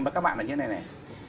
mà các bạn là như thế này này